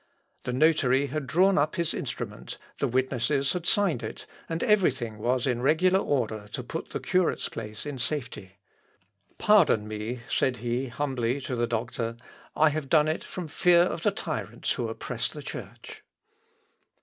The notary had drawn up his instrument, the witnesses had signed it, and everything was in regular order to put the curate's place in safety. "Pardon me," said he humbly to the doctor; "I have done it from fear of the tyrants who oppress the Church." Humiliter tamen excusante